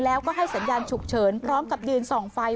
แล้วก็ให้สัญญาณฉุกเฉินพร้อมกับยืนส่องไฟ